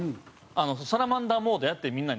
サラマンダーモードやってみんなに。